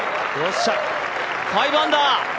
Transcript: ５アンダー！